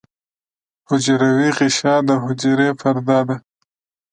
حجروی غشا د حجرې پرده ده